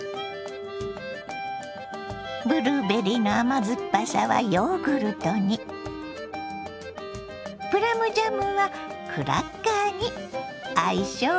ブルーベリーの甘酸っぱさはヨーグルトにプラムジャムはクラッカーに相性バツグン！